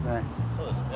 そうですね。